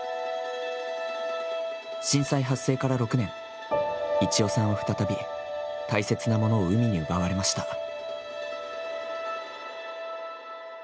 震災発生から６年、一代さんは再び大切なものを海に奪われました。